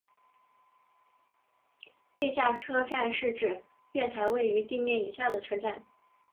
地下车站是指月台位于地面以下的车站。